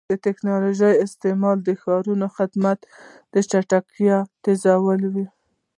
د ټکنالوژۍ استعمال د ښاري خدماتو چټکتیا زیاتوي.